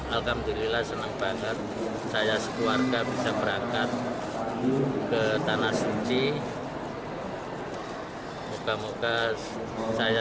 sembilan belas alhamdulillah senang banget saya sekeluarga bisa berangkat ke tanah suci muka muka saya